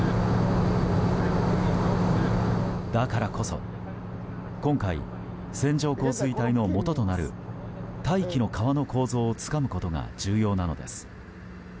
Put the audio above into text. だからこそ、今回線状降水帯のもととなる大気の川の構造をつかむことが重要なのです。